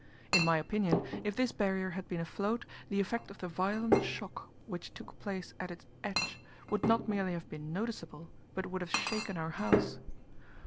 In my opinion, if this Barrier had been afloat, the effect of the violent shock which took place at its edge would not merely have been noticeable, but would have shaken our house.